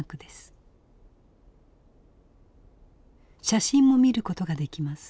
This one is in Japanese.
写真も見ることができます。